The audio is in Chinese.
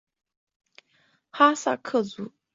哈萨克族。